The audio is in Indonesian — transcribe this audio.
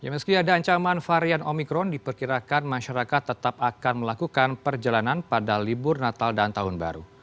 meski ada ancaman varian omikron diperkirakan masyarakat tetap akan melakukan perjalanan pada libur natal dan tahun baru